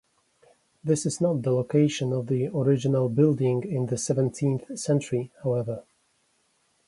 This is not the location of the original building in the seventeenth century, however.